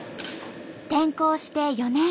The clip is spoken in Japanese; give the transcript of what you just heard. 転校して４年。